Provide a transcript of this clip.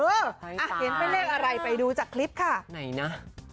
เห็นเป็นเลขอะไรไปดูจากคลิปค่ะไหนนะ